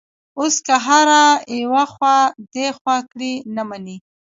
اوس که هر ایخوا دیخوا کړي، نه مني.